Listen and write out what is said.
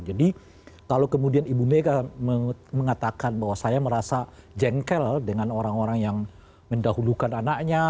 jadi kalau kemudian ibu mega mengatakan bahwa saya merasa jengkel dengan orang orang yang mendahulukan anaknya